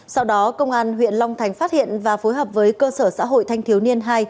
sau đó công an huyện long thành phát hiện và phối hợp với cơ sở xã hội thanh thiếu niên hai